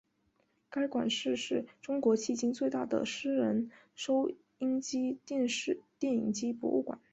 该馆是是中国迄今最大的私人收音机电影机博物馆。